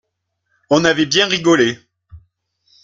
On avait bien rigolé.